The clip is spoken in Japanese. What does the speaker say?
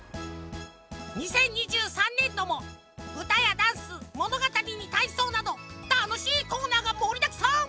２０２３ねんどもうたやダンスものがたりにたいそうなどたのしいコーナーがもりだくさん！